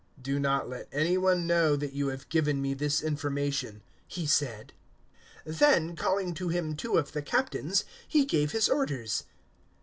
"Do not let any one know that you have given me this information," he said. 023:023 Then, calling to him two of the Captains, he gave his orders.